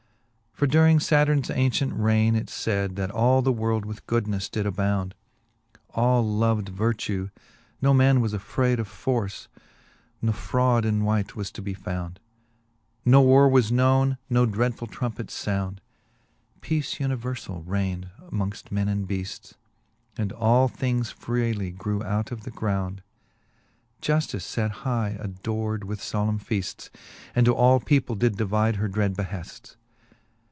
For during Saturnes ancient raigne, it's fayd, , That all the world with goodnefle did abound : All loved vertue, no man was afFrayd Of force, ne fraud in wight was to be found : No warre was knowne, no dreadfull trompets found. Peace univerfall rayn'd mongft men and beafts. And all things freely grew out of the ground : Juftice late high ador'd with folemne feafts, And to all people did divide her dred beheafts.